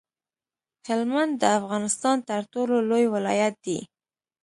هلمند د افغانستان تر ټولو لوی ولایت دی